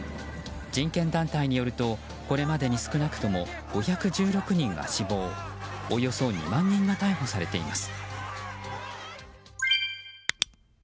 人権団体によるとこれまでに少なくとも５１６人が死亡およそ２万人が逮捕されています。